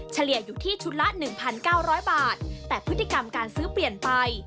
เฉลี่ยอยู่ที่ชุดละ๑๙๐๐บาทแต่พฤติกรรมการซื้อเปลี่ยนไป